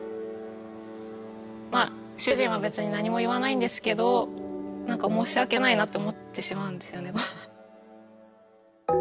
まあ主人は別に何も言わないんですけど何か申し訳ないなって思ってしまうんですよね。